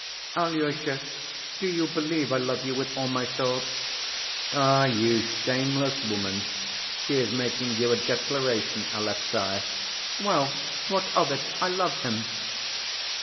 Alyosha, do you believe I love you with all my soul?" "Ah, you shameless woman! She is making you a declaration, Alexey!" "Well, what of it, I love him!"